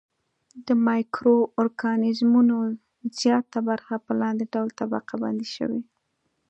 د مایکرو ارګانیزمونو زیاته برخه په لاندې ډول طبقه بندي شوې.